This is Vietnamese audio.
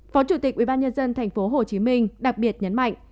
phó chủ tịch ubnd tp hcm đặc biệt nhấn mạnh